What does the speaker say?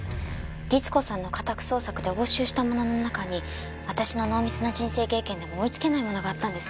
律子さんの家宅捜索で押収したものの中に私の濃密な人生経験でも追いつけないものがあったんです。